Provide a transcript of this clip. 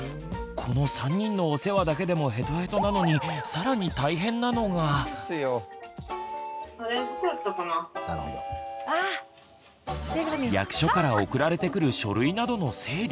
この３人のお世話だけでもヘトヘトなのに役所から送られてくる書類などの整理。